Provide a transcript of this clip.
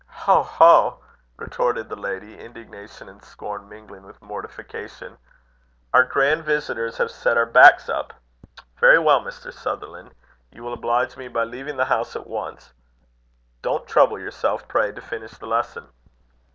"Ho! ho!" resnorted the lady, indignation and scorn mingling with mortification; "our grand visitors have set our backs up. Very well, Mr. Sutherland, you will oblige me by leaving the house at once. Don't trouble yourself, pray, to finish the lesson.